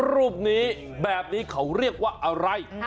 รูปนี้แบบนี้เขาเรียกว่าอะไร